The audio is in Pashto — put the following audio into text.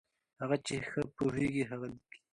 هغه چې ښه پوهېږي، ښه لیکي.